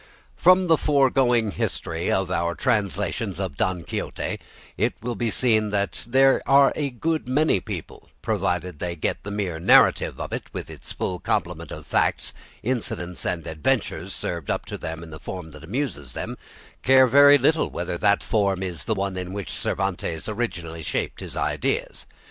From the foregoing history of our translations of "Don Quixote," it will be seen that there are a good many people who, provided they get the mere narrative with its full complement of facts, incidents, and adventures served up to them in a form that amuses them, care very little whether that form is the one in which Cervantes originally shaped his ideas.